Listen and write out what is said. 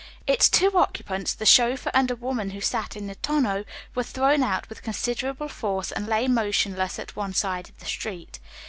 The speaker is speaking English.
Its two occupants, the chauffeur and a woman who sat in the tonneau, were thrown out with considerable force and lay motionless at one side of the street.